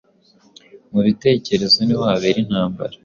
Mu bitekerezo ni ho habera intambara.